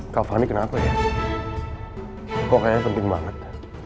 kak fani kenapa ya kok kayaknya penting banget